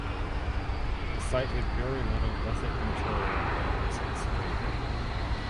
The site had very little lithic material when it was excavated.